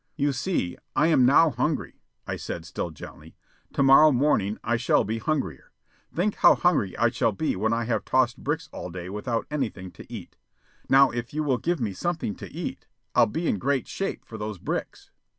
"You see, I am now hungry," I said still gently. "To morrow morning I shall be hungrier. Think how hungry I shall be when I have tossed bricks all day without anything to eat. Now if you will give me something to eat, I'll be in great shape for those bricks."